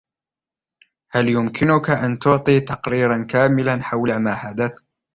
هل يمكنك أن تعطي تقريراً كاملاً حول ما حدث ؟